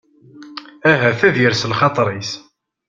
Ahat ad d-ires lxaṭer-is.